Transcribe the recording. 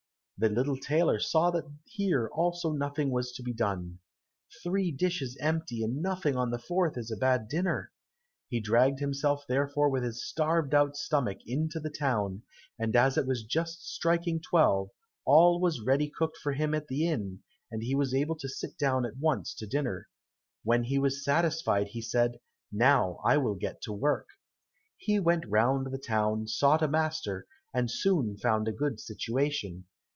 The little tailor saw that here also nothing was to be done. "Three dishes empty and nothing on the fourth is a bad dinner!" He dragged himself therefore with his starved out stomach into the town, and as it was just striking twelve, all was ready cooked for him in the inn, and he was able to sit down at once to dinner. When he was satisfied he said, "Now I will get to work." He went round the town, sought a master, and soon found a good situation.